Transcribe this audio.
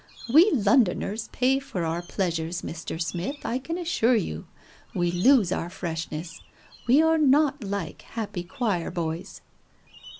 "We Londoners pay for our pleasures, Mr. Smith, I can assure you. We lose our freshness. We are not like happy choir boys."